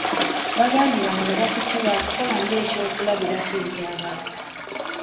Bagambye bano bebakutte baakukola ng'ekyokulabirako eri abalala.